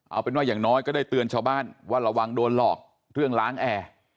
เอาเป็นว่าอย่างน้อยก็ได้เตือนชาวบ้านว่าระวังโดนหลอกเรื่องล้างแอร์